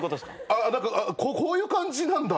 ああ何かこういう感じなんだ。